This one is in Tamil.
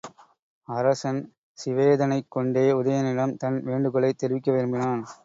அரசன் சிவேதனைக் கொண்டே உதயணனிடம் தன் வேண்டுகோளைத் தெரிவிக்க விரும்பினான்.